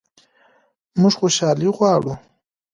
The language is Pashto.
موږ خوشحالي غواړو